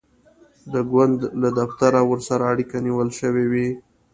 د ګوند له دفتره ورسره اړیکه نیول شوې وي.